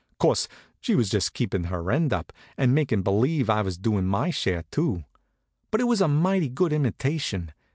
Course, she was just keepin' her end up, and makin' believe I was doing my share, too. But it was a mighty good imitation.